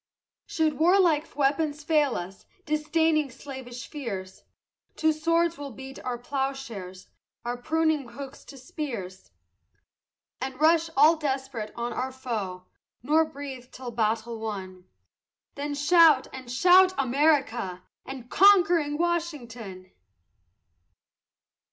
Should warlike weapons fail us, disdaining slavish fears, To swords we'll beat our ploughshares, our pruning hooks to spears, And rush, all desperate, on our foe, nor breathe till battle won, Then shout, and shout America! and conquering Washington!